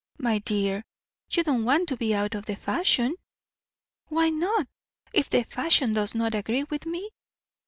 My dear, you don't want to be out of the fashion?" "Why not, if the fashion does not agree with me?"